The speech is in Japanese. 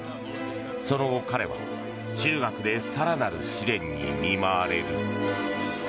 その後、彼は中学で更なる試練に見舞われる。